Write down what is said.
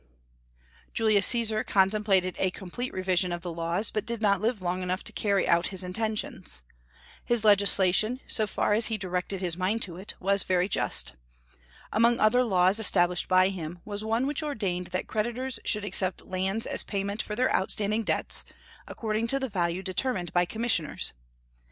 D. Julius Caesar contemplated a complete revision of the laws, but did not live long enough to carry out his intentions. His legislation, so far as he directed his mind to it, was very just. Among other laws established by him was one which ordained that creditors should accept lands as payment for their outstanding debts, according to the value determined by commissioners.